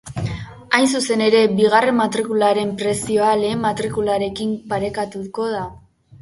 Hain zuzen ere, bigarren matrikularen prezioa lehen matrikularekin parekatuko da.